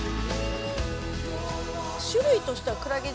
種類としてはクラゲ自体は。